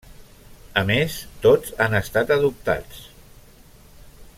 A més, tots han estat adoptats.